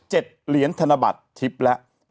เหรียญธนบัตรทิพย์แล้ว